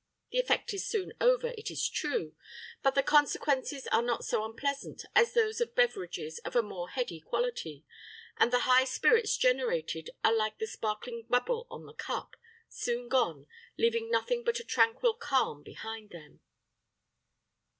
The effect is soon over, it is true; but the consequences are not so unpleasant as those of beverages of a more heady quality, and the high spirits generated are like the sparkling bubble on the cup, soon gone, leaving nothing but a tranquil calm behind them.